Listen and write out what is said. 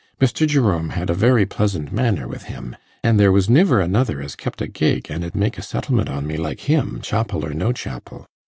Mr. Jerome had a very pleasant manner with him, an' there was niver another as kept a gig, an' 'ud make a settlement on me like him, chapel or no chapel.